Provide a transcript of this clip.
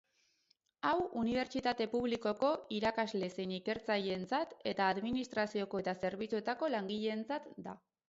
Hau Unibertsitate Publikoko irakasle zein ikertzaileentzat eta administrazioko eta zerbitzuetako langileentzat da.